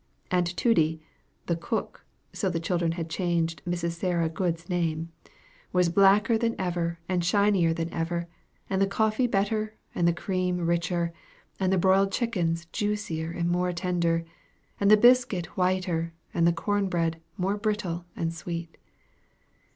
Aunt Toodie, the cook (so the children had changed Mrs. Sarah Good's name), was blacker than ever and shinier than ever, and the coffee better, and the cream richer, and the broiled chickens juicier and more tender, and the biscuit whiter, and the corn bread more brittle and sweet.